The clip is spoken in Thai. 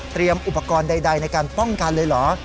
อุปกรณ์ใดในการป้องกันเลยเหรอ